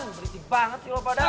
berisik banget sih lo padahal